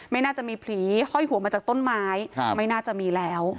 ไม่น่าจะมีผีห้อยหัวมาจากต้นไม้ไม่น่าจะมีแล้ว